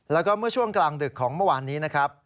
แล้วก็เมื่อช่วงกลางดึกของเมื่อวานนี้นะครับ